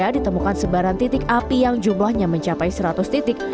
ditemukan sebaran titik api yang jumlahnya mencapai seratus titik